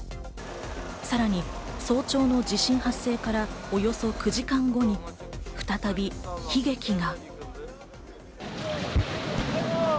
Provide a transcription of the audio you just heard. さらに早朝の地震発生からおよそ９時間後に、再び、悲劇が。